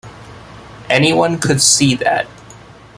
Anyone could see that.